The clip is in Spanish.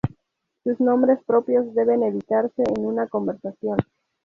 Sus nombres propios deben evitarse en una conversación.